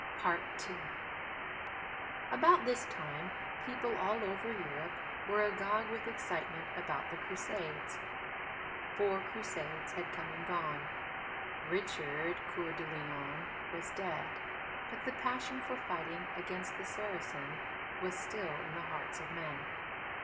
II About this time people all over Europe were agog with excitement about the Crusades. Four Crusades had come and gone. Richard Coeur de Lion was dead. But the passion for fighting against the Saracen was still in the hearts of men.